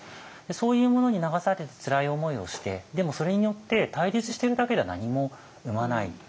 そういうものに流されてつらい思いをしてでもそれによって対立してるだけでは何も生まない。